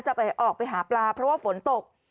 จะไปออกไปหาปลาเพราะว่าฝนตก